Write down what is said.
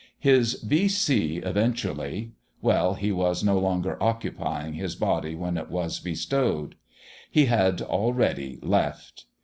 His V.C. eventually well, he was no longer occupying his body when it was bestowed. He had already "left."